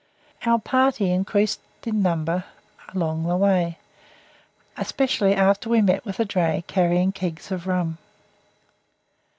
Our party increased in number by the way, especially after we met with a dray carrying kegs of rum.